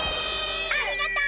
ありがとう！